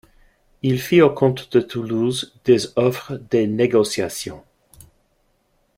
Il fit au comte de Toulouse des offres de négociation.